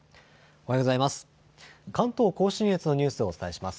おはようございます。